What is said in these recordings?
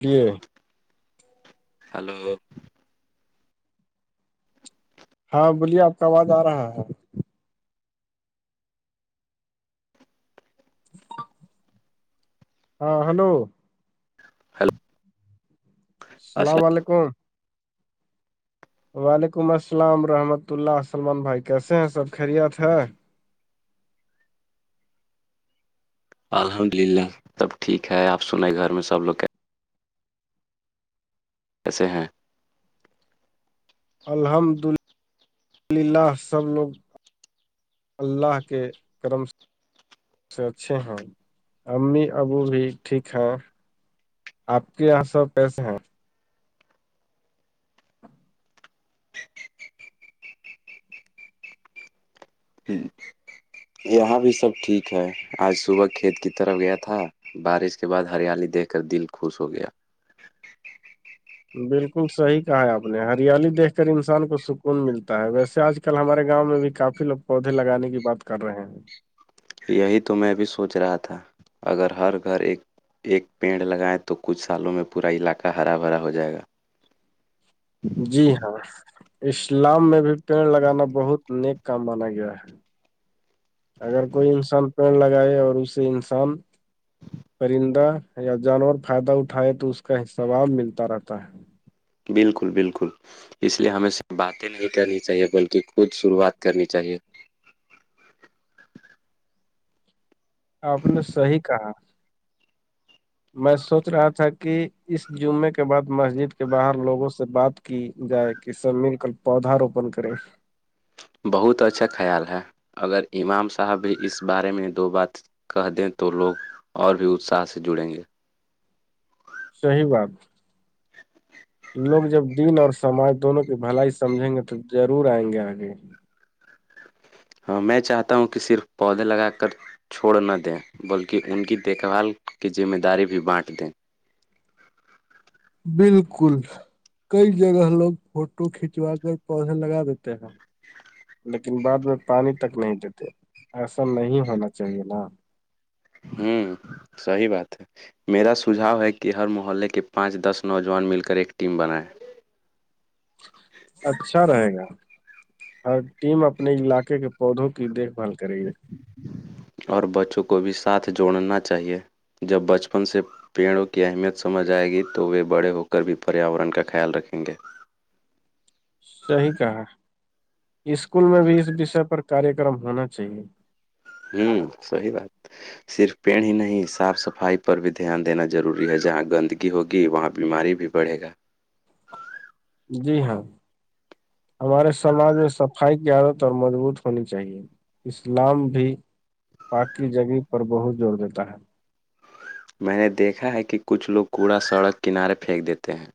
جی hello ہاں بولیے آپ کا آواز آ رہا ہے ہاں ہلو ہیلو السلام علیکم وعلیکم السلام رحمت اللہ سلمان بھائی کیسے ہیں سب خیریت ہے الحمد للہ سب ٹھیک ہے آپ سن گھر میں سب لوگ کیا ایسے ہیں الحمد للہلہ سب لوگ اللہ کے کرم سے اچھے ہیں امی ابو بھی ٹھیک ہیں آپ کے یہاں سو پیسے ہیں یہاں بھی سب ٹھیک ہے آج صبح کھیت کی طرف گیا تھا بارش کے بعد ہریالی دیکھ کر دل خوش ہو گیا بالکل صحیح کہا ہے آپ نے ہریالی دیکھ کر انسان کو سکون ملتا ہے ویسے آج ک کل ہمارے گاؤں میں بھی کافی لوگ پودے لگانے کی بات کر رہے ہیں یہی تو میں بھی سوچ رہا تھا اگر ہر گھر ایک ایک پیڑ لگائیں تو کچھ سالوں میں پورا علاقہ ہرا بھرا ہو جائے گا جی ہاں اسلام میں بھی پیڑ لگانا بہت نیک کام مانا گیا ہے اگر کوئی انسان پیڑ لگائے اور اسے انسان پرندہ یا جانور فائدہ اٹھائے تو اس کا سباب ملتا رہتا ہے بالکل بالکل اس لیے ہمیں سے باتیں نہیں کرنی چاہیے بلکہ خود شروعات کرنی چاہیے آپ نے صحی کہا میں سوچ رہا تھا کہ اس جمعے کے بعد مسجد کے باہر لوگوں سے بات کہ جائے کہ سب مل کر پودا روپن کرے بہت اچھا خیال ہے اگر امام صاحب بھی اس بارے میں دو بات کہ دیں تو لوگ اور بھی اتساہ سے جڑیں گے صحی بات لوگ جب دن اور سماج دونوں کی بھلائی سمجھیں گے تو ضرور آئیں گے آگے ہاں میں چاہتا ہوں کہ صرف پودے لگا کر چھوڑ نہ دیں بلکہ ان کی دیکھ بھال کی ذمہ داری بھی بانٹ دیں بالکل کئی جگہ لوگ فوٹو کھنچوا کر پودے لگا دیتے ہیں لیکن بعد میں پانی تک نہیں دیتے ایسا نہیں ہونا چاہیے نا ہوں سی بات ہے میرا سجھاؤ ہے کہ ہر محلے کے پانچ دس نوجوان مل کر ایک ٹیم بنائیں اچھا رہے گا ہر ٹیم اپنے علاقے کے پودوں کی دیکھ بھال کرے گی اور بچوں کو بھی ساتھ جوڑنا چاہیے جب بچپن سے پیڑوں کی اہمیت سمجھ آئے گی تو وہ بڑے ہو کر بھی پریاورن کا خیال رکھیں گے صی کہا اسکول میں بھی اس وشے پر کاریہ کررم ہونا چاہیے ہوں سی بات صرف پیڑ ہی نہیں صاف سفائی پر بھی دھیان دینا ضروری ہے جہاں گندگی ہوگی وہاں بیماری بھی بڑھے گا جی ہاں ہمارے سماج میں صفائی کی عادت اور مضبوط ہونی چاہیے اسلام بھی پاک کی جگہ پر بہت زور دیتا ہے میں نے دیکھا ہے کہ کچھ لوگ کوڑا سڑک کنارے پھینک دیتے ہیں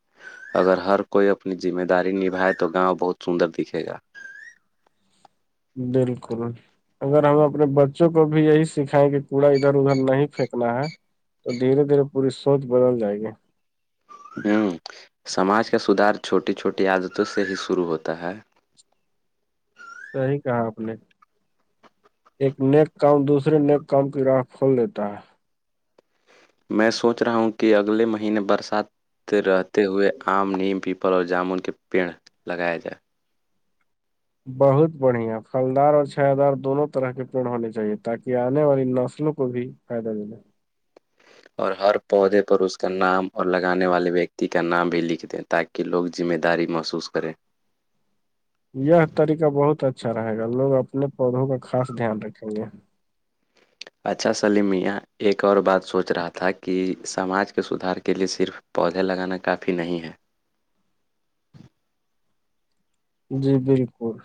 اگر ہر کوئی اپنی ذمہ داری نبھائے تو گاؤں بہت سندر دکھے گا بالکل اگر ہم اپنے بچوں کو بھی یہی سکھائیںنگے کوڑا ادھر ادھر نہیں پھینکنا ہے تو دھیرے دھیرے پوری سوچ بدل جائے گی ہوں سماج کا سدھار چھوٹی چھوٹی عادتوں سے ہی شروع ہوتا ہے صحیح کہا آپ نے ایک نیک کام دوسرے نیک کام کی راہ کھول لیتا ہے میں سوچ رہا ہوں کہ اگلے مہینے برسات رہتے ہوئے آم نیم پیپل اور جامن کے پیڑ لگایا جائے بہت بڑھیا پھلدار اور چھا دار دونوں طرح کے پھل ہونے چاہیے تاکہ آنے والی نسلوں کو بھی فایدہ دےگا اور ہر پودے پر اس کا نام اور لگانے والے ویکتی کا نام بھی لکھ دیں تاکہ کہ لوگ ذمہ داری محسوس کریں یہ طریقہ بہت اچھا رہے گا لوگ اپنے پودوں کا خاص دھیان رکھیں گے اچھا سلیم میاں ایک اور بات سوچ رہا تھا کہ سماج کے سدھار کے لیے صرف پودے لگانا کافی نہیں ہے جی بالکل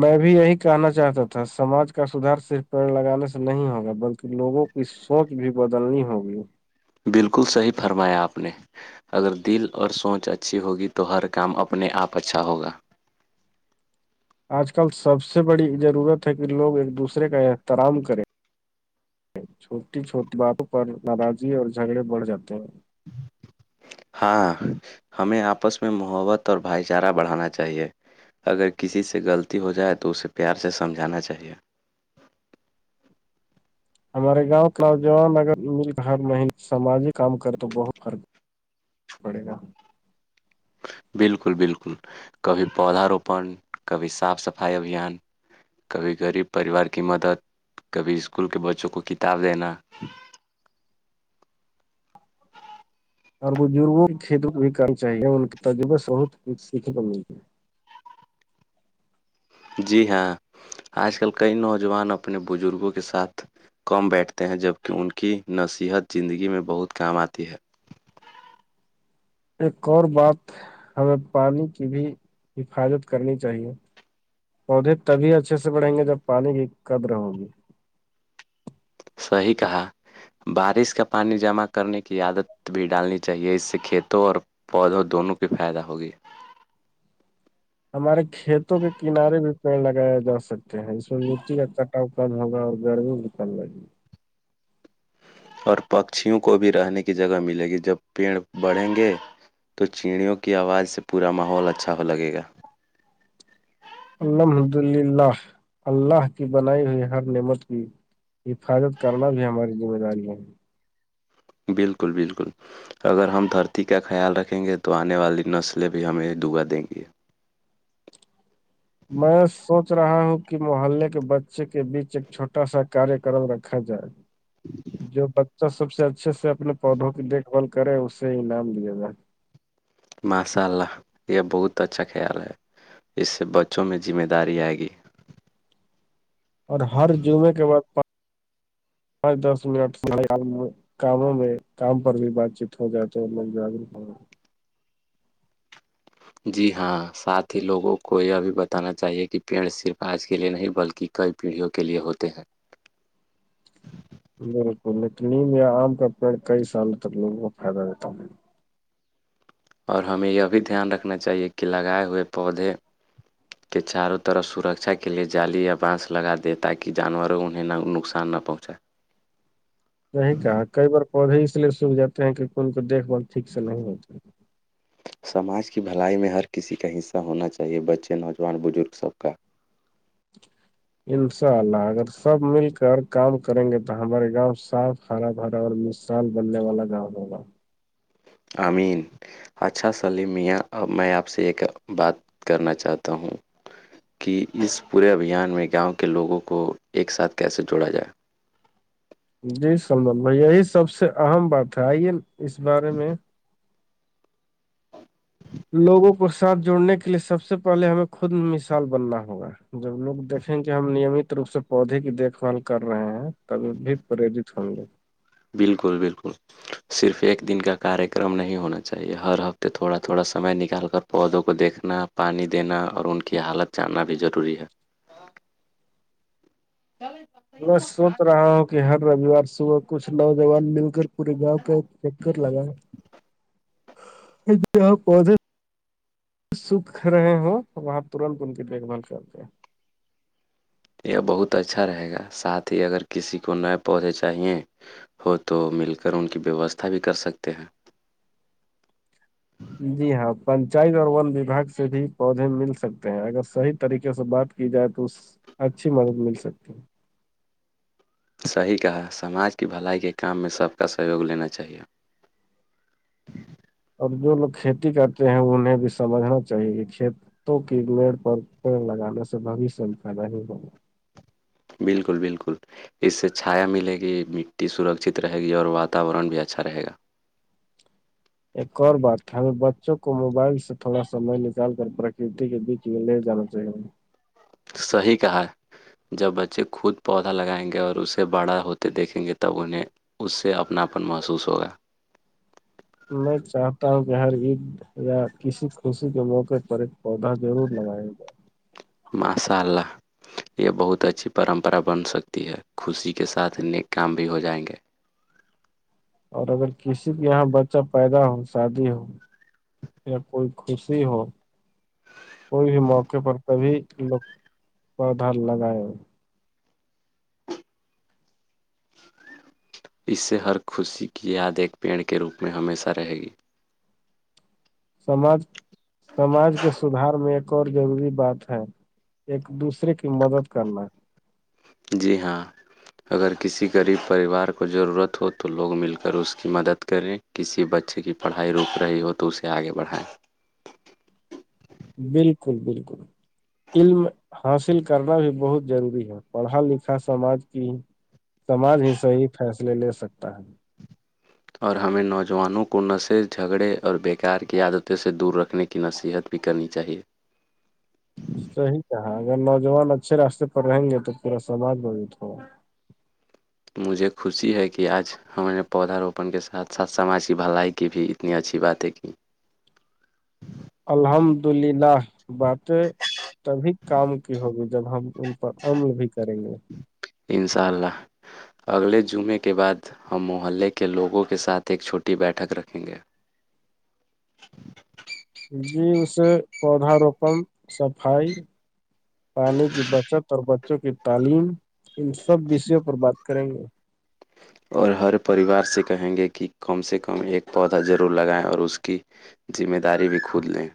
میں بھی یہی کہنا چاہتا تھا سماج کا سدھار صرف پیڑ لگانے سے نہیں ہوگا بلکہ لوگوں کو اس سوچ بھی بدلنی ہوگی بالکل صحیح فرمایا آپ نے اگر دل اور سوچ اچھی ہوگی تو ہر کام اپنے آپ اچھا ہوگا آج کل سب سے بڑی ضرورت ہے کہ لوگ ایک دوسرے کا احترام کریں چھوٹی چھوٹی باتوں پر ناراضی اور جھگڑے بڑھ جاتے ہیں ہاں ہمیں آپس میں محبت اور بھائی چارہ بڑھانا چاہیے اگر کسی سے غلطی ہو جائے تو اسے پیار سے سمجھانا چاہیے ہمارے گاؤں نوجوان اگر مل کر سماجی کام کرے تو بہت فرق پڑے گا بالکل بالکل کبھی پودا روپن کبھی صاف سفائی ابھیان کبھی غریب پریوار کی مدد کبھی اسکول کے بچوں کو کتاب دینا اور بزرگوں کی کھیت کو بھی کرنا چاہیے ان کی تجرببے سے بہت کچھ سیکھنے ملتی ہے جی ہاں آج کل کئی نوجوان اپنے بزرگوں کے ساتھ کم بیٹھتے ہیں جبکہ ان کی نصیحت زندگی میں بہت کام آتی ہے ایک اور بات ہمیں پانی کی بھی حفاظت کرنی چاہیے پودے تبھی اچھے سے بڑھیں گے جب پانی کی قد رہو گی صیحیح کہا بارش کا پانی جمع کرنے کی عادت بھی ڈالنی چاہیے اس سے کھیتوں اور پودوں دونوں کی فائدہ ہوگی ہمارے کھیتوں کے کنارے بھی پیڑ لگایا جا سکتے ہیں اس میں مٹی کا کم ہوگا اور گرمی بھی کم لگے گی اور پکچھیوں کو بھی رہنے کی جگہ ملے گی جب پیڑ بڑھیں گے تو چیڑیوں کی آواز سے پورا ماحول اچھا ہو لگے گا الحمد للہ اللہ کی بنائی ہوئی ہر نعمت کی حفاظت کرنا بھی ہماری ذمہ داری ہے بالکل بالکل اگر ہم دھرتی کا خیال رکھیں گے تو آنے والی نسلیں بھی ہمیں دعا دیں گی میں سوچ رہا ہوں کہ محلے کے بچے کے بیچ ایک چھوٹا سا کاریکرم رکھا جائے [inaudible] جو بچہ سب سے اچھے سے اپنے پودوں کی دیکھ بھال کرے اس سے انعام لیا جائے ماشاء اللہ یہ بہت اچھا خیال ہے اس سے بچوں میں ذمہ داری آئے گی اور ہر جمعے کے بعد پانچ دس منٹ سارے کاموں میں کام پر بھی بات چیت ہو جائے تو لوگ جاگروک ہو جی ہاں ساتھ ہی لوگوں کو یہ بھی بتانا چاہیے کہ پیڑ صرف آج کے لیے نہیں بلکہ کئی پیڑھیوں کے لیے ہوتے ہیں بالکل ل نیم یا آم کا پیڑ کئی سالوں تک لوگوں کو فائدہ دیتا ہوں اور ہمیں یہ بھی دھیان رکھنا چاہیے کہ لگائے ہوئے پودے کے چاروں طرف سرکشا کے لیئے جالی یا بانس لگا دیں تاکہ جانوروں انہیں نقصان نہ پؤںچ [inaudible] نہیں کہ کئی بار پودے اس لیے سوکھ جاتے ہیں کیونکہ ان کو دیکھ بال ٹھیک سے نہیں ہوتی سماج کی بلائی میں ہر کسی کا حصہ ہونا چاہیے بچے نوجوان بزرگ سب کا انشاء اللہ اگر سب مل کر کام کریں گے تو ہمارے گاؤں صاف کارا بھھرا اور مثال بننے والا گاؤں ہوگا امین اچھا سلیم میاں اب میں آپ سے ایک بات کرنا چاہتا ہوں کہ اس پورے ابھیان میں گاؤں کے لوگوں کو ایک ساتھ کیسے جوڑا جائے جی سمج بھائی یہی سب سے اہم بات ہے آئیے اس بارے میں لوگوں کو ساتھ جوڑنے کے لیے سب سے پہلے ہمیں خود مثال بننا ہوگا جب لوگ دیکھیں گے ہم نیمت روپ سے پودے کی دیکھ بھال کر رہے ہیں تب بھی پریرت ہوں گے بالکل بالکل صرف ایک دن کا کاریہ کررم نہیں ہونا چاہیے ہر ہفتے تھوڑا تھوڑا سمئے نکال کر پودوں کو دیکھنا پانی دینا اور ان کی حالت جاننا بھی ضروری ہے [unintelligible] میں سوچ رہا ہوں کہ ہر رووار صبح کچھ نوجوان مل کر پورے گاؤں کا چر لگا پے سکھ رہے ہ وہاں ترنت ان کی دیکھ بھال کرتے ہیں یہ بہت اچھا رہے گا ساتھ ہی اگر کسی کو نئے پودے چاہییں ہو تو مل کر ان کی ویوستھا بھی کر سکتے ہیں جی ہاں پنچایت اور ون وباگ سے بھی پودے مل سکتے ہیں اگر صحیح طریقے سے بات کی جائے تو اس اچھی مدد مل سکتی ہے صحیح کہا سماج کی بھلائی کے کام میں سب کا سہیوگ لینا چاہیے اور جو لوگ کھیتی کرتے ہیں انہیں بھی سمجھنا چاہیے کہ کھیت تو کی مڑ پر پیڑ لگانے سے بشم فہ نہیں ہوگا بالکل بالکل اس سے چھایا ملے گی مٹی سرکچت رہے گی اور واتاورن بھی اچھا رہے گا ایک اور بات ہے ہمیں بچوں کو موبائل سے تھوڑا سمے نکال کر پرکرتی کے بیچ جیے جانا چاہ گ تو صحیح کہا ہے جب بچے خود پودا لگائیں گے اور اسے بڑا ہوتے دیکھیں گے تب انہیں اس سے اپناپن محسوس ہوگا میں چاہتا ہوں کہ ہر عید یا کسی خوشی کے موقع پر ایک پودا ضرور لگائے گا مساء اللہ یہ بہت اچھی پرمپرا بن سکتی ہے خوشی کے ساتھ ن نیک کام بھی ہو جائیں گے اور اگر کسی کے یہاں بچہ پیدا ہو شادی ہو کوئی خوشی ہو کوئی بھی موقعے پر کبھی لوگ پودا لگائے ہو اس سے ہر خوشی کی یاد ایک پیڑ کے روپ میں ہمیشہ رہے گی سماج سماج کے سدھار میں ایک اور ضروری بات ہے ایک دوسرے کی مدد کرنا جی ہاں اگر کسی غریب پریوار کو ضرورت ہو تو لوگ مل کر اس کی مدد کریں کسی بچے کی پڑھائی روک رہی ہو تو اسے آگے بڑھائیں بالکل بالکل علم حاصل کرنا بھی بہت ضروری ہے پڑھا لکھا سماج کی سماج ہی صحی فیصلے لے سکتا ہے اور ہمیں نوجوانوں کو نشل جھگڑے اور بیکار کی عادت سے دور رکھنے نہ صحت بھی کرنی چاہیے صحیح کہا اگر نوجوان اچھے راستے پر رہیں گے تو پورا سماج بوت ہوا مجھے خوشی ہے کہ آج ہمار نے پودا روپن کے ساتھ ساتھ سماج کی بھلائی کی بھی اتنی اچھی بات ہے کہ الحمد للہ باتیں تبھی کام کی ہوگی جب ہم ان پر عمل بھی کریں گے انشاء اللہ اگلے جمعے کے بعد ہم محلے کے لوگوں کے ساتھ ایک چھوٹی بیٹھک رکھیں گے جی اسے پودا روپن صفائی پانی کی بچت اور بچوں کی تعلیم ان سب وشیوں پر بات کریں گے اور ہر پریوار سے کہیں گے کہ کم سے کم ایک پودا ضرور لگائیں اور اس کی ذمہ داری بھی کھود لیں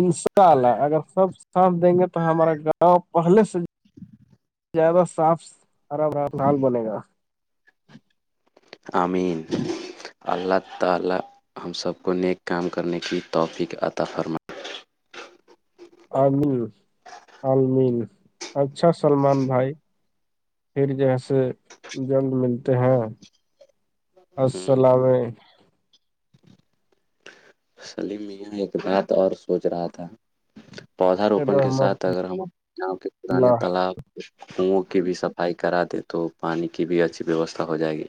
انشاء اللہ اگر سب ساتھ دیں گے تو ہمارا گاؤں پہلے سے زیادہ صاف آرام آرام حال بنے گا امین اللہ تعالی ہم سب کو نیک کام کرنے کی توفیق عطا فرما عمل آمین اچھا سلمان بھائی پھر جیسے جلد ملتے ہیں السلام سلی م بات اور سوچ رہا تھا پودا روپن کے ساتھ رحمت اگر ہم اپنے گاؤں کے پرانے اللہ تالاب کنوں کی بھی صفائی کرا دیں تو پانی کی بھی اچھی ویوستھا ہو جائے گی